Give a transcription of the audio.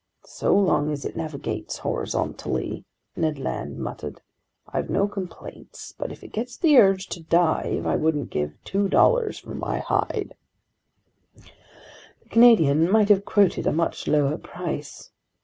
"So long as it navigates horizontally," Ned Land muttered, "I've no complaints. But if it gets the urge to dive, I wouldn't give $2.00 for my hide!" The Canadian might have quoted a much lower price.